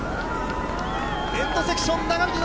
エンドセクション。